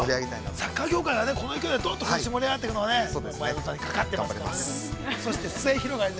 ◆サッカー業界はね、この勢いでどっと、ことし盛り上がっていくのがね前園さんにかかってますのでね。